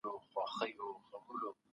کمپيوټر ورځپاڼه جوړوي.